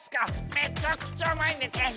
めちゃくちゃうまいんでぜひ！